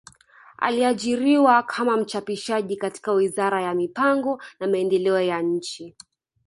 Aliajiriwa kama mchapishaji katika wizara ya mipango na maendeleo ya nchi